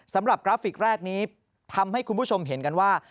กราฟิกแรกนี้ทำให้คุณผู้ชมเห็นกันว่า